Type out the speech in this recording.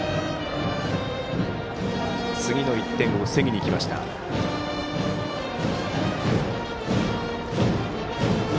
次の１点を防ぎにきました近江高校。